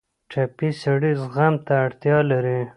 ټپي سړی زغم ته اړتیا لري.